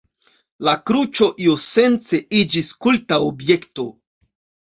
La kruĉo iusence iĝis kulta objekto.